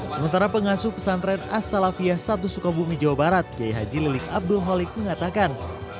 sementara pengasuh pesantren as salafiyah satu sukabumi jawa barat kiai haji lilik abdul holik mengatakan